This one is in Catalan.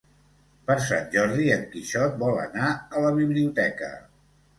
Per Sant Jordi en Quixot vol anar a la biblioteca.